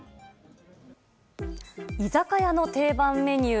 居酒屋の定番メニュー